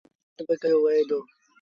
تا اُئآݩ کي ڪوآٽ با ڪهيو وهي دو۔